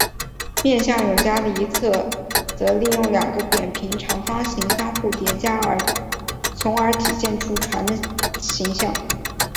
面向甬江的一侧则利用两个扁平长方形相互叠加从而体现出船的形象。